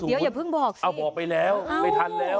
เอ้าบอกไปแล้วไม่ทันแล้ว